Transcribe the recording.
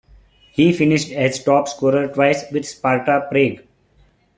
He finished as top scorer twice with Sparta Prague.